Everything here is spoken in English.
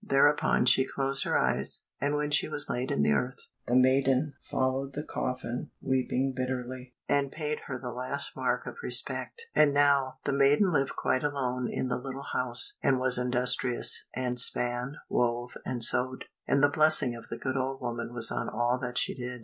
Thereupon she closed her eyes, and when she was laid in the earth, the maiden followed the coffin, weeping bitterly, and paid her the last mark of respect. And now the maiden lived quite alone in the little house, and was industrious, and span, wove, and sewed, and the blessing of the good old woman was on all that she did.